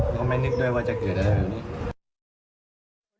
แล้วก็ไม่นึกด้วยว่าจะเกิดอะไรแบบนี้